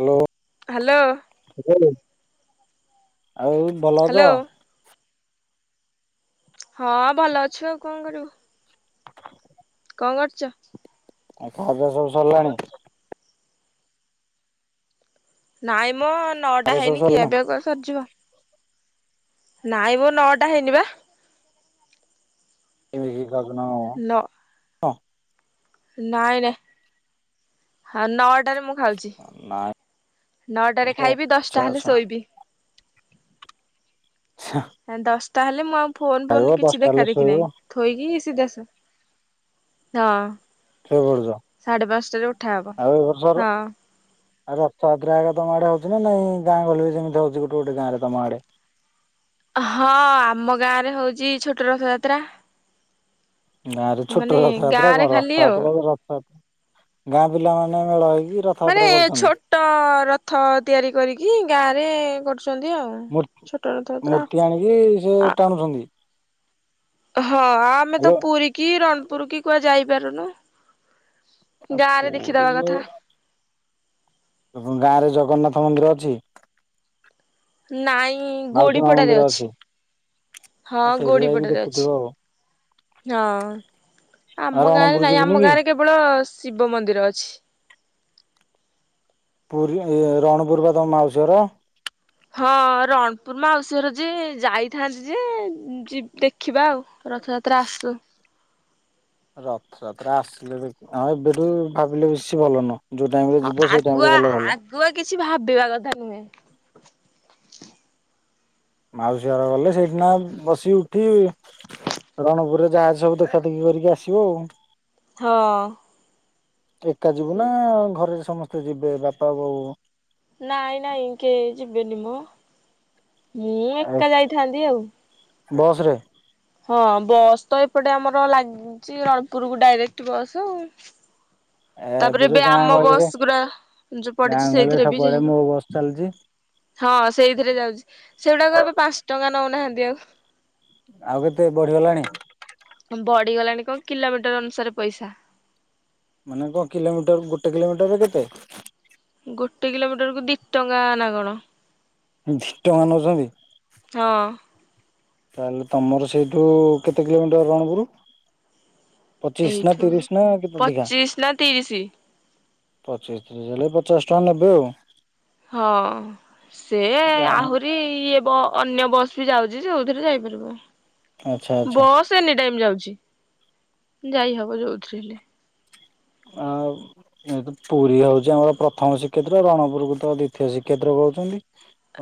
Hello. Hello. ଶୁବୁନି? ଆଉ ଭଲ ହ୍ୟାଲୋ ଅଛ? ହଁ ଭଲ ଅଛୁ ଆଉ କଣ କରିବୁ। କଣ କରୁଚ? ଆଉ ଖା ପିଆ ସବୁ ସରିଲାଣି? ନାଇଁ ମ ଖାଇବା ନଅଟା ପିଇବା ସବୁ ହେଇନି ଖିଆ ସରିଲାଣି ପିଆ କୋଉଠି ସରିଯିବ। ନାଇଁ ମ ନଅଟା ହେଇନି ବା। [unintelligible] [unintelligible] କଣ ନାଇଁ ନାଇଁ, ହଁ ନଅଟାରେ ମୁଁ ଖାଉଚି। ନାଇଁ ନଅଟାରେ ଖାଇବି ଆଚ୍ଛା ଦଶଟା ହେଲେ ଆଚ୍ଛା ଶୋଇବି। [unintelligible] ଦଶଟା ହେଲେ ମୁଁ ଆଉ ଫୋନ୍ ଖାଇବ ଫୋନ୍ କିଛି ଦଶଟା ଦେଖା ହେଲେ ଦେଖି ଶୋଇବ ନାହିଁ। ଥୋଇକିି ସିଧା ଶୋ ହଁ। ଶୋଇ ପଡୁଛ ସାଢେ ପାଞ୍ଚଟାରେ ଉଠାହବ ଆଉ ଏ ବର୍ଷର ହଁ। ଆଉ ରଥଯାତ୍ରା ଆଗ ତମ ଆଡେ ହଉଚି ନା ନାଇଁ ଗାଁ ଗଲେ ଗଳି ରେ ଯେମିତି ହଉଚି ଗୋଟେ ଗୋଟେ ଗାଁରେ ତମ ଆଡେ? ହଁ ଆମ ଗାଁ ରେ ହଉଚି ଛୋଟ ରଥଯାତ୍ରା। ଗାଁ ରେ ଛୋଟ ମାନେ ଗାଁ ରଥଯାତ୍ରା ରେ କଣ ଖାଲି ଆଉ ରଥଯାତ୍ରା ରଥଯାତ୍ରା ଗାଁ ପିଲା ମାନେ ମେଳ ହେଇକି ରଥଯାତ୍ରା ମାନେ କରୁଛନ୍ତି। ଛୋଟ ରଥ ତିଆରି କରିକି ଗାଁ ରେ କରୁଛନ୍ତି ଆଉ। ମୂ ଛୋଟ ରଥଯାତ୍ରା ମୂର୍ତ୍ତି ଆଣିକି ସେ ଆ ଟାଣୁଛନ୍ତି। ହଁ ଆ ଆମେ ତ ହ୍ୟାଲୋ ପୁରୀ କି ରଣପୁର କି କୁଆଡେ ଯାଇପାରୁନୁ। ଗାଁ ରେ ଦେଖିଦବା ପୁରୀରେ କଥା। ଗାଁ ରେ ଜଗନ୍ନାଥ ମନ୍ଦିର ଅଛି? ନାଇଁ ମାଉସୀ ମା ଗୋଡିପଡାରେ ମନ୍ଦିର ଅଛି। ହଁ ଆଉ ସେଇଠି ଯାଇକି ଗୋଡିପଡ଼ା ରେ ଦେଖୁଥିବ ଆଉ। ଅଛି। ହଁ। ଆଉ ଆମ ଗାଁରେ ରଣପୁର ନାଇଁ ଯିବୁନି ଆମ କି? ଗାଁରେ କେବଳ ଶିବ ମନ୍ଦିର ଅଛି। ପୁରୀ ରଣପୁର ବା ତମ ମାଉସୀଘର? ହଁ ରଣପୁର ମାଉସୀ ଘର ଯେ ଯାଇଥାନ୍ତି ଯେ ଯି ଦେଖିବା ଆଉ। ରଥଯାତ୍ରା ଆସୁ। ରଥଯାତ୍ରା ଆସିଲେ ଦେଖ ହଁ ଏବେଠୁ ଭାବିଲେ ବେଶୀ ଭଲ ନୁହଁ। ଯୋଉ ଟାଇମ୍ ରେ ହଁ ଯିବ ସେଇ ଟାଇମ୍ ଆଗୁଆ ରେ ଗଲେ ଗଲା। ଆଗୁଆ କିଛି ଭାବିବା କଥା ନୁହେଁ। ମାଉସୀ ଘର ଗଲେ ସେଇଠିକିନା ବସି ଉଠି ରଣପୁରରେ ଜାହା ଅଛି ସବୁ ଦେଖା ଦେଖି କରିକି ଆସିବେ ଆଉ। ହଁ। ଏକା ଯିବୁ ନା ଘରେ ସମସ୍ତେ ଯିବେ ବାପା ବୋଉ? ନାଇଁ ନାଇଁ କେହି ଯିବେନି ମୁଁ ମୁଁ ଏକା ଯାଇଥାନ୍ତି ଆଉ। ବସ୍ରେ? ହଁ ବସ୍ ତ ଏପଟେ ଆମର ଲାଗୁଛି ରଣପୁରକୁ ଡାଇରେକ୍ଟ ବସ୍ ଆଉ। ତାପରେ ଯୋଉ ଏବେ ଗାଁ ଆମ ଗହଳିରେ ବସ୍ ଗୁରା ଯୋଉ ଗାଁ ପଡ଼ିଛି ଗହଳିରେ ସେଇଥିରେ ବି ସବୁଆଡେ ମୋ ଯାଇହବ। ବସ୍ ଚାଲିଛି। ହଁ ସେଇଥିରେ ଯାଉଛି ସେଗୁଡ଼ାକ ଏବେ ପାଞ୍ଚ ଟଙ୍କା ନଉନାହାନ୍ତି ଆଉ। ଆଉ କେତେ ବଢ଼ିଗଲାଣି? ବଡ଼ିଗଲାଣି କଣ କିଲୋମିଟର ଅନୁସାରେ ପଇସା। ମାନେ କଣ କିଲୋମିଟର ଗୋଟେ କିଲୋମିଟର ରେ କେତେ? ଗୋଟେ କିଲୋମିଟର କୁ ଦି ଟଙ୍କା ନା କଣ? ଧୀ ଟଙ୍କା ନଉଛନ୍ତି? ହଁ। ତାହେଲେ ତମର ସେଇଠୁ କେତେ କିଲୋମିଟର ରଣପୁର? ପଚିଶ୍ ନା ଏଇଠୁ ତିରିସ୍ ନା କେତେ ଅଧିକା? ପଚିଶ ନା ତିରିଶ ପଚିଶ୍ ତୀରିଶ ହେଲେ ପଚାଶ ଟଙ୍କା ନେବେ ଆଉ। ହଁ ସେ ଆହୁରି ଇଏ ବ ଅନ୍ୟ ବସ୍ ବି ଯାଉଛି ସେଇଥିରେ ଯାଇପାରିବ ଆଚ୍ଛା ଆଚ୍ଛା ବସ୍ ଏନି ଟାଇମ୍ ଯାଉଛି ଯାଇ ହବ ଯଉଥିରେ ହେଲେ। ଆଉ। ପୁରୀ ହଉଛି ଆମର ପ୍ରଥମ ଶ୍ରୀକ୍ଷେତ୍ର ରଣପୁରକୁ ତ ଦ୍ୱିତୀୟ ଶ୍ରୀକ୍ଷେତ୍ର କହୁଛନ୍ତି।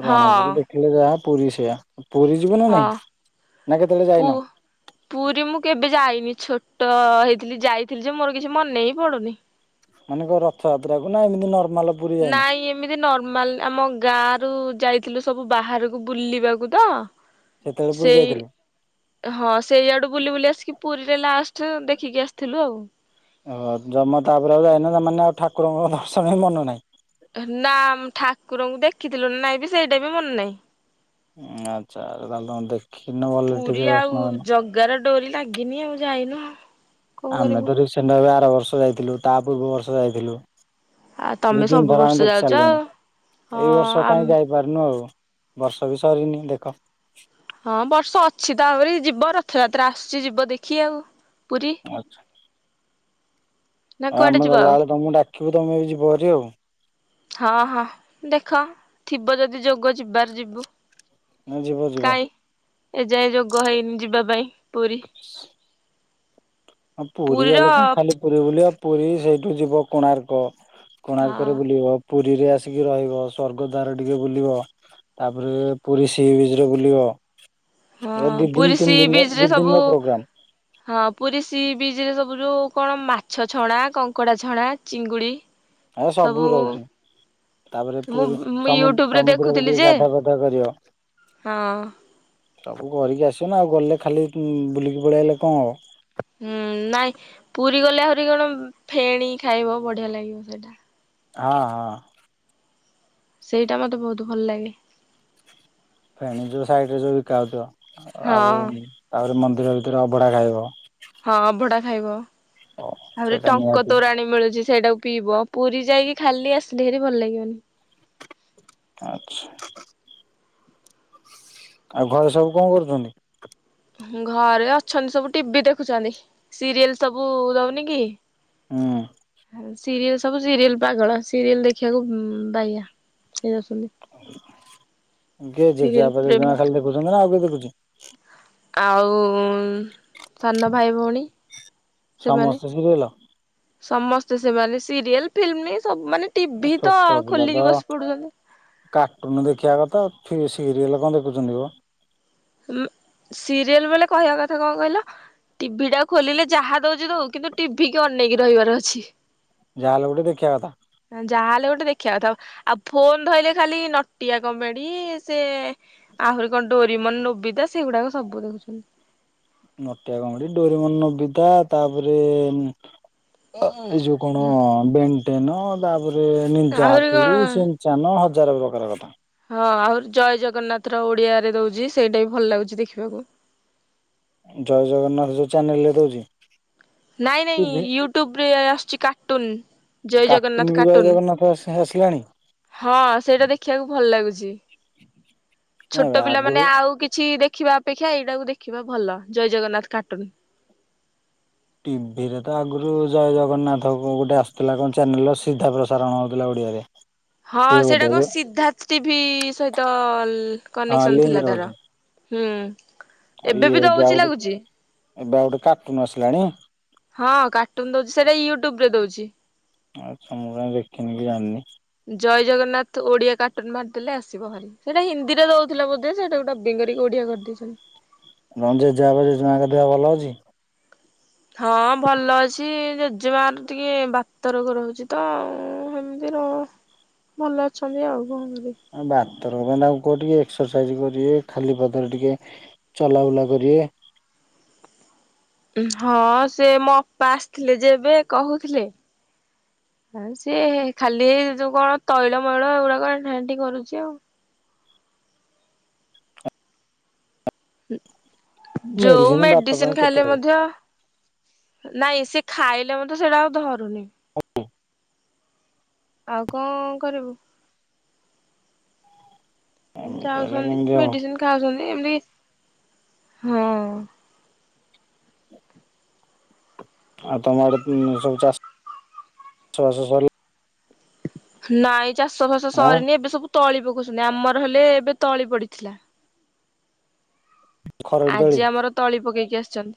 ରଣପୁରୁ ହଁ ଦେଖିଲେ ଯାହା ପୁରୀ ସେଇଆ ପୁରୀ ଯିବୁ ନା ହଁ ନାଇଁ ନା କେତେବେଳେ ଯାଇନ? ପୁ ପୁରୀ ମୁଁ କେବେ ଯାଇନି ଛୋଟ ହେଇଥିଲି ଯାଇଥିଲି ଯେ ମୋର କିଛି ମନେ ହିଁ ପଡ଼ୁନି। ମାନେକ ରଥଯାତ୍ରା କୁ ନା ଏମିତି ନର୍ମାଲ ପୁରୀ ଯାଇନ ନାଇଁ ଏ ମିତି ନର୍ମାଲ ଆମ ଗାଁ ରୁ ଯାଇଥିଲୁ ସବୁ ବାହାରକୁ ବୁଲିବାକୁ ତ ସେତେବେଳେ ପୁରୀ ସେଇ ଯାଇଥିଲୁ? ହଁ ସେଇଆଡ଼ୁ ବୁଲି ବୁଲି ଆସିକି ପୁରୀରେ ଲାଷ୍ଟ ଦେଖିକି ଆସିଥିଲୁ ଆଉ। ହ ଜମା ତାପରେ ଆଉ ଯାଇନ ସେମାନେ ଆଉ ଠାକୁରଙ୍କ ଦର୍ଶନ ବି ମନେ ନାହିଁ। ନାମ ଠାକୁରଙ୍କୁ ଦେଖିଥିଲୁ ନା ନାଇଁ ବି ସେଇଟା ବି ମନେ ନାହିଁ। ଆଚ୍ଛା ତାହେଲେ ତମେ ଦେଖିନ ଭଲରେ ଟିକେ ଦର୍ଶନ କରୀନ। ଗାରଡୋରି ଲାଗିନି ଆଉ ଯାଇନୁ ଆଉ। ଆମେ ତ ଠିକ ସେଣ୍ଡ ଆର ବର୍ଷ ଯାଇଥିଲୁ ତା ପୂର୍ବ ବର୍ଷ ଯାଇଥିଲୁ। ଆଉ ତମେ ଦି ତିନ ସବୁ ଥର ବର୍ଷ ଆମେ ଦେଖି ଯାଉଛ ଆଉ। ସାରିଲୁଣି ଏଇ ହଁ ବର୍ଷ ଆମ୍ କାହିଁ ଯାଇ ପାରନୁ ଆଉ ବର୍ଷ ବି ସରିନି ଦେଖ ହଁ ବର୍ଷ ଅଛି ତାପରେ ଯିବ ରଥଯାତ୍ରା ଆସୁଛି ଯିବ ଦେଖି ଆଉ ପୁରୀ। ଆଛ ନା ଆଉ କୁଆଡ଼େ ଆମେ ଯିବ ଆଉ ଗଲାବେଳେ ତମକୁ ଡାକିବୁ ତମେ ବି ଯିବହାରି ଆଉ। ହଁ ହଁ ଦେଖ ଥିବ ଯଦି ଯୋଗ ଯିବାର ଯିବୁ। ହଁ ଯିବ ଯିବ। ଏ ଯାଏ ଯୋଗ ହେଇନି ଯିବା ପାଇଁ ପୁରୀ। [inaudible] ଆ ପୁରୀ ପୁରୀର ଗଲେ କଣ ଖାଲି ପୁରୀ ବୁଲିବା ପୁରୀ ସେଇଠୁ ଯିବ କୋଣାର୍କ। ହଁ କୋଣାର୍କରେ ବୁଲିବ ପୁରୀରେ ଆସିକି ରହିବ ସ୍ବର୍ଗ ଦ୍ଵାର ଟିକେ ବୁଲିବ ତାପରେ ପୁରୀ ଶ୍ରୀ ବ୍ରିଜିରେ ବୁଲିବ ହଁ ଏ ଦି ଦିନି ପୁରୀ ସି ତିନି ଦିନିର ବିଚ୍ ରେ ସବୁ ଦିଦିନିର ପ୍ରୋଗ୍ରାମ୍ ହଁ ପୁରୀ ଶ୍ରୀବିଜିରେ ସବୁ ଯେଉ କଣ ମାଛ ଛଣା କଙ୍କଡା ଛଣା ଚିଙ୍ଗୁଡି ଏ ସବୁ ରହୁଛି ତାପରେ ମୁଁ ପ ମୁଁ ସମୁ ୟୁଟ୍ୟୁବରେ ସମୁଦ୍ରରେ ଦେଖୁଥିଲି ଟିକେ ଯେ ଗାଧୁଆ ଫାଧୁଆ କରିବ ହଁ ସବୁ କରିକି ଆସିବ ନା ଆଉ ଗଲେ ଖାଲି ବୁଲିକି ପଳେଇଲେ ଆଇଲେ କଣ ହବ ହୁଁ ନାଇଁ ପୁରୀ ଗଲେ ଆହୁରି କଣ ଫେଣି ଖାଇବ ବଢିଆ ଲାଗିବ ସେଇଟା ହଁ ହଁ ସେଇଟା ମତେ ବହୁତ ଭଲ ଲାଗେ ଫେଣି ଯୋଉ ସାଇଟ୍ ରେ ଯୋଉ ବିକା ହଉଥିବ ଆଉ ହଁ ତାପରେ ମନ୍ଦିର ଭିତରେ ଅବଢ଼ା ଖାଇବ ହଁ ଅଭଡା ଖାଇବ ଆହୁରି ସେଇଟା ଟଙ୍କ ନିହାତି ତୋରାଣୀ ମିଳୁଛି ସେଇଟାକୁ ପିଇବ ପୁରୀ ଯାଇକି ଖାଲି ଆସିଲେ ଭଲ ଲାଗିବନି ଆଚ୍ଛା ଆଉ ଘରେ ସବୁ କଣ କରୁଛନ୍ତି ଘରେ ଅଛନ୍ତି ସବୁ ଟିଭି ଦେଖୁଛନ୍ତି ସିରିଏଲ୍ ସବୁ ଦଉନି କି ହଁ ସିରିଏଲ୍ ସବୁ ସିରିଏଲ୍ ପାଗଳ ସିରିଏଲ୍ ଦେଖିବାକୁ ବାଇଆ ସେ ଅଛନ୍ତି କେଏ ସିରିଏଲ ଜେଜେବାପା ପ୍ରେମୀ ଜେଜେମା ଖାଲି ଦେଖୁଛନ୍ତି ନା ଆଉ କିଏ ଦେଖୁଛି ଆଉ ସାନ ଭାଇ ଭଉଣୀ ସେମାନେ ସମସ୍ତେ ସିରିୟଲ୍ ସମସ୍ତେ ସେମାନେ ସିରିଏଲ୍ ଫିଲ୍ମି ସବୁମାନେ ଟିଭି ତ ଖୋଲିକି ବସି ପଡୁଛନ୍ତି କାଟୁନୁ ଦେଖିବା କଥା ଫିର୍ ସିରିଏଲ୍ କଣ ଦେଖୁଛନ୍ତି ମ ସିରିଏଲ୍ ବୋଲେ କହିବା କଥା କଣ କହିଲ ଟିଭି ଟା ଖୋଲିଲେ ଯାହା ଦଉଛି କିନ୍ତୁ ଟିଭି କି ଅନେଇକି ରହିବାର ଅଛି ଯାହା ହେଲେ ଗୋଟେ ଦେଖିବା କଥା ଯାହାହେଲେ ଗୋଟେ ଦେଖିବା କଥା ଆଉ ଫୋନ୍ ଧରିଲେ ଖାଲି ନଟିଆ କମେଡି ସେ ଆହୁରି କଣ ଡୋରିମନ୍ ନୋବିତା ସେଗୁଡାକ ସବୁ ଦେଖୁଛନ୍ତି ନଟିଆ କମେଡି ଡୋରେମନ୍ ନବିତା ତାପରେ ଏ ଯୋଉ କଣ ବେଣ୍ଟେନ ତାପରେ ନିଞ୍ଚା ଆହୁରି କଣ ହାତରୁ ସେମତି ଚାନ ହଜାର ପ୍ରକାର କଥା ହଁ ଆଉ ଜୟ ଜଗନ୍ନାଥ ର ଓଡ଼ିଆରେ ଦଉଛି ସେଇଟା ବି ଭଲ ଲାଗୁଛି ଦେଖିବାକୁ ଜୟ ଜଗନ୍ନାଥ ଯୋଉ ଚ୍ୟାନେଲ୍ ରେ ଦଉଛି ନାଇଁ ନାଇଁ ଟିଭି ୟୁଟ୍ୟୁବୁରେ ଆସୁଛି କାଟୁନୁ କାଟୁନୁ ବି ଜୟ ଜଗନ୍ନାଥ ଆସିଲାଣି ହଁ ସେଇଟା ଦେଖିବାକୁ ଭଲ ଲାଗୁଛି ନାଇଁ ଛୋଟ ଭାଇ ଆଗରୁ ପିଲାମାନେ ଆଉ କିଛି ଦେଖିବା ଅପେକ୍ଷା ଏଇଟାକୁ ଦେଖିବା ଭଲ ଜୟ ଜଗନ୍ନାଥ କାଟୁନୁ ଟିଭିରେ ତ ଆଗରୁ ଜୟ ଜଗନ୍ନାଥ ଗୋଟେ ଆସୁଥିଲା କଣ ଚ୍ୟାନେଲ୍ ସିଧା ପ୍ରସାରଣ ହେଉଥିଲା ଓଡ଼ିଆରେ ହଁ ସେଇଟା କଣ ସିଦ୍ଧାର୍ଥ ଟିଭି ସହିତ ହଁ କନେକ୍ସନ୍ ଲିଙ୍କ ଥିଲା ରହୁଛି ତାର ହୁଁ ଆଉ ଏବେ ହେଇକି ବି ଦଉଛି ଆଉ ଗୋଟେ ଲାଗୁଛି ଏବେ ଆଉ ଗୋଟେ କାଟୁନୁ ଆସିଲାଣି ହଁ କାଟୁନୁ ଦଉଛି ସେଟା ୟୁଟ୍ୟୁବୁରେ ଦଉଛି ଆଚ୍ଛା ମୁଁ କାଇଁ ଦେଖିନି କି ଜାଣିନି ଜୟ ଜଗନ୍ନାଥ ଓଡ଼ିଆ କାଟୁନୁ ମାରିଦେଲେ ଆସିବ ଖାଲି ସେଇଟା ହିନ୍ଦୀରେ ଦଉଥିଲା ବୋଧେ ସେଟାକୁ ବିଗାଡିକି ଓଡ଼ିଆ କରିଦେଇଛନ୍ତି ହଁ ଜେଜେବାପା ଜେଜେମାଙ୍କ ଦେହ ଭଲ ଅଛି? ହଁ ଭଲ ଅଛି ଜେଜେମା ଟିକେ ବାତରକୁ ରହୁଛି ତ ଉଁ ଏମତି ର ଭଲ ଅଛନ୍ତି ଆଉ କଣନ୍ତି? ବାତର ପାଇଁ ତାକୁ କହ ଟିକେ ଏକ୍ସରସାଇଜ କରିବେ ଖାଲି ପଥରେ ଟିକେ ଚଲାବୁଲା କରିବେ। ହଁ ସେ ମୋ ଅପା ଆସିଥିଲେ ଯେବେ କହୁଥିଲେ। ଆଉ ସିଏ ଖାଲି ଏଇ ଯୋଉ କଣ ତୈଳ ମୈଳ ଏଇଗୁଡା କଣାଣ୍ଠି କରୁଚି ଆଉ। ଯୋଉ ମେଡିସିନ ବାତ ମେଡ଼ିସିନ୍ ପାଇଁ କେତେ ଖାଇଲେ ଖାଇବେ ମଧ୍ୟ ନାଇଁ ସେ ଖାଇଲେ ମଧ୍ୟ ସେଇଟା ଆଉ ଧରୁନି। ଆଉ କଣ କରିବୁ। ଏମିତି ହେଲେ ଯାଉଛନ୍ତି କେମିତି ହବ ମେଡିସିନ ଖାଉଛନ୍ତି ଏମିତି ହଁ। ଆଉ ତମ ଆଡେ ସବୁ ଚାଷ ଚାଷବାସ ସରି ନାଇଁ ଚାଷ ବାସ ଆଁ ସରିନି ଏବେ ସବୁ ତଳି ପକଉଛନ୍ତି ଆମର ହେଲେ ଏବେ ତଳି ପଡିଥିଲା। ଖରଡି ତଳି ଆଜି ଆମର ତଳି ପକେଇକି ଆସିଚନ୍ତି।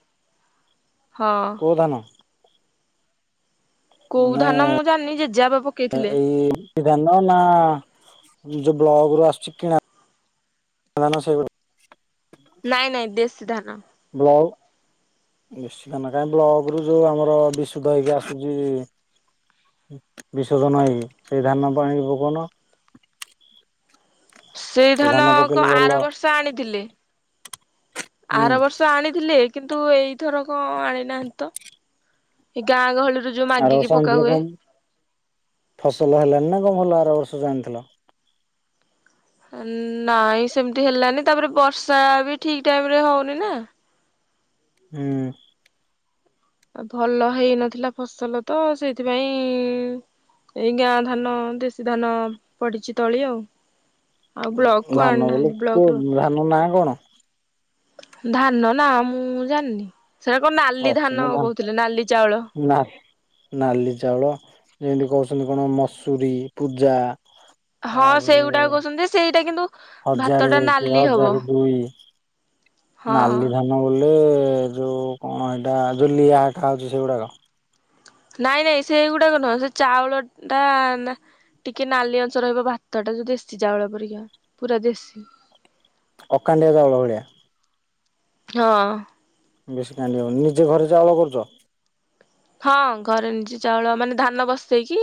କୋଉ ଧାନ? କୋଉ ମାନେ ଧାନ ମୁଁ ଜାନି ଜେଜେବାପା ପକେଇଥିଲେ। ଦେଶୀଧାନ ନାଁ ଯୋଉ ବ୍ଲକ୍ ରୁ ଆସୁଚି କିଣା ସେଇଗୁଡା। ନାଇଁ ନାଇଁ ଦେଶୀ ଧାନ। ବ୍ଲଗ୍ ବେଶୀ ବ୍ଲଗ୍ ରୁ ଯୋଉ ଆମର ବିସୁ ଧଇକି ଆସୁଚି ବିଷୋଧ ନାହିଁ ସେଇ ଧାନ ପାଇଁ ଭୁବନ। ସେଇ ସେ ଧାନ କ ପକେଇଲେ ଭଲ ଆର ବର୍ଷ ସା ଆଣିଥିଲେ ହୁଁ ଆର ବର୍ଷ ଆଣିଥିଲେ କି ତୁ ଏଇଥର କଣ ଆଣି ନାହାନ୍ତି ତ ଏ ଗାଁ ଗହଳିରୁ ଯୋଉ ଆର ବର୍ଷ ମାଗିକି ପକା ଆଣିଥିଲେ ହୁଏ। କଣ ଫସଲ ହେଲାନି ନାଁ କଣ ଭଲ ଆର ବର୍ଷ ଜା ଆଣିଥିଲ? ନାଇଁ ସେମତି ହେଲାନି ତାପରେ ବର୍ଷା ବି ଠିକ୍ ଟାଇମ୍ ରେ ହଉନି ନାଁ। ହୁଁ। ଉଁ ଭଲ ହେଇନଥିଲା ଫସଲ ତ ସେଇଥିପାଇଁ ଏଇ ଗାଁ ଧାନ ଦେଶୀ ଧାନ ପଡିଚି ତଳି ଆଉ। ଆଉ ବ୍ଲକ କୁ ଧାନ ବୋଲି ଆଣିନାହାନ୍ତି ବ୍ଲକ କୁ ରୁ ଧାନ ନାଁ କଣ? ଧାନ ନାଁ ମୁଁ ଜାଣିନି ସେଟା କଣ ନାଲି ଧାନ କହୁଥିଲେ ନାଲି ଚାଉଳ। ନାଁ ନାଲି ଚାଉଳ ଯେମିତି କହୁଚନ୍ତି କଣ ମସୁରୀ, ପୂଜା। ହଁ ସେଇଗୁଡା କହୁଚନ୍ତି ଯେ ସେଇଟା କିନ୍ତୁ ହଜାର ଭାତ ଟା ଏକ ନାଲି ହବ ହଜାର ଦୁଇ ନାଲି ହଁ। ଧାନ। ବଲେ ଯୋଉ କଣ ଏଇଟା ଯୋଉ ଲିଆ ଖାଉଛି ସେଗୁଡ଼ାକ। ନାଇଁ ନାଇଁ ସେଗୁଡାକ ନୁହଁ ସେ ଚାଉଳ ଟା ନାଁ ଟିକେ ନାଲି ଅଂଶ ରହିବ ଭାତ ଟା ଯୋଉ ଦେଶୀ ଚାଉଳ ପରିକା ପୁରା ଦେଶୀ‌। ଅକାଡିଆ ଚାଉଳ ଭଳିଆ। ହଁ। ବେଶୀ ନାଲିଆ ହବନି ନିଜେ ଘରେ ଚାଉଳ କରୁଚ? ହଁ ଘରେ ନିଛି ଚାଉଳ ମାନେ ଧାନ ବସେଇକି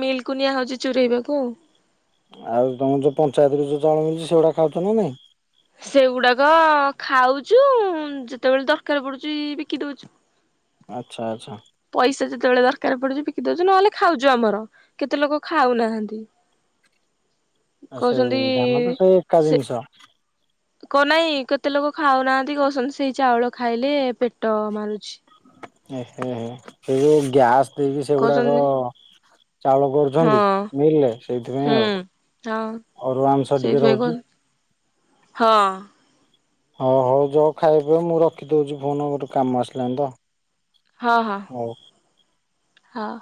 ମିଲ୍ କୁ ନିଆହଉଛି ଚୁରେଇବାକୁ। ଆଉ ତମକୁ ଯୋଉ ପଞ୍ଚାୟତରେ ଯୋଉ ଚାଉଳ ମିଳିଚି ସେଗୁଡା ଖାଉଚ ନାଁ ନାଇଁ? ସେଗୁଡ଼ାକ ଖାଉଚୁ ଯେତେବେଳେ ଦରକାର ପଡୁଚି ବିକି ଦେଉଛୁ। ଆଚ୍ଛା ଆଚ୍ଛା। ପଇସା ଯେତେବେଳେ ଦରକାର ପଡୁଚି ବିକି ଦଉଛୁ ନହେଲେ ଖାଉଛୁ ଆମର କେତେ ଲୋକ ଖାଉନାହାନ୍ତି। କହୁଛନ୍ତି ସେଇ ଧାନ ତ ସେଇ ଏକା ସେ ଜିନିଷ। କ ନାଇଁ କେତେ ଲୋକ ଖାଉନାହାନ୍ତି କୋହୁଛନ୍ତି ସେଇ ଚାଉଳ ଖାଇଲେ ପେଟ ମାରୁଚି। ସେଇ ଯୋଉ ଗ୍ୟାସ ଦେଇକି ସେଗୁଡାକ କହୁଛନ୍ତି ଚାଳ ବ କରୁଛନ୍ତି ହଁ ମିଲ୍ ରେ ସେଇଥିପାଇଁ ହୁଁ ଆଉ ହଁ ଅରୁଆ ଅଂଶ ଟିକେ ସେଇଥିପାଇଁ ରହୁଚି। କହୁ ହଁ। ହୋଉ ହୋଉ ଯୋଅ ଖାଇବା ପାଇଁ ମୁଁ ରଖିଦୋଉଚି ଫୋନ ଗୋଟେ କାମ ଆସିଲାଣି ତ। ହଁ ହଁ। ହୋଉ। ହଁ।